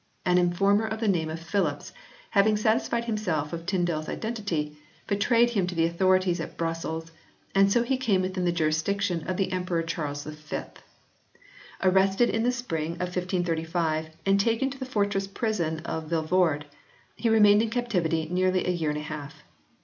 An informer of the name of Philips, having satisfied himself of Tyndale s identity, betrayed him to the authorities at Brussels, and so he came within the jurisdiction of the Emperor Charles V. Arrested in the spring of 1535 and taken to the fortress prison of Vilvorde he remained in captivity nearly a year and a half.